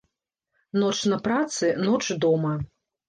Ноч на працы, ноч дома.